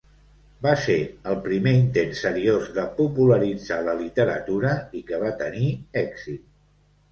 Va ser el primer intent seriós de popularitzar la literatura i que va tenir èxit.